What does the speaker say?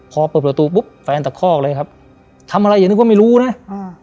พอเปิดประตูปุ๊บแฟนตะคอกเลยครับทำอะไรอย่านึกว่าไม่รู้นะอ่า